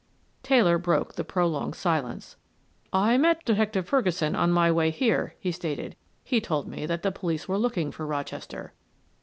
Taylor broke the prolonged silence. "I met Detective Ferguson on my way here," he stated. "He told me that the police were looking for Rochester."